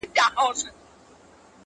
هغه اوس گل كنـدهار مـــاتــه پــرېــږدي~